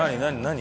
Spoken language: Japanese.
何？